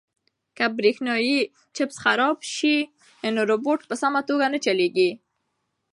که برېښنايي چپس خراب شي نو روبوټ په سمه توګه نه چلیږي.